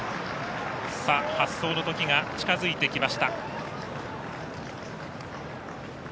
発走のときが近づいてきました。